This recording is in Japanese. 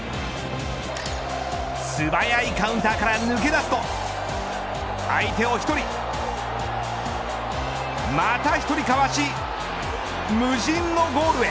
素速いカウンターから抜け出すと相手を１人また１人かわし無人のゴールへ。